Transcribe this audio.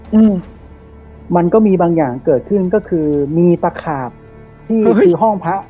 อืมมันก็มีบางอย่างเกิดขึ้นก็คือมีตะขาบที่คือห้องพระ